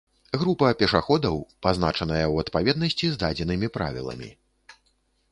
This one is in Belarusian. група пешаходаў, пазначаная ў адпаведнасці з дадзенымі Правіламі